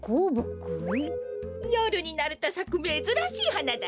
よるになるとさくめずらしいはなだよ。